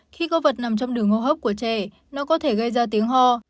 khi có vật nằm trong đường hô hấp của trẻ nó có thể gây ra tiếng ho